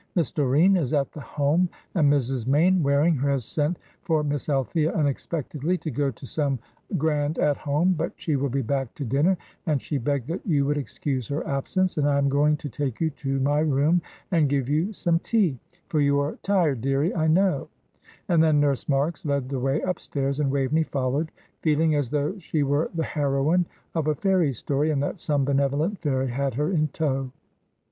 "Miss Doreen is at the Home, and Mrs. Mainwaring has sent for Miss Althea unexpectedly, to go to some grand At Home; but she will be back to dinner, and she begged that you would excuse her absence, and I am going to take you to my room and give you some tea; for you are tired, dearie, I know;" and then Nurse Marks led the way upstairs, and Waveney followed, feeling as though she were the heroine of a fairy story and that some benevolent fairy had her in tow.